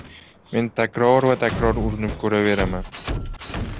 Men takror va takror urunib ko‘raveraman